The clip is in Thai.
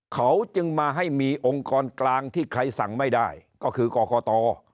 เขาจึงมาให้มีองค์กรกลางที่ใครสั่งไม่ได้ก็คือกรกต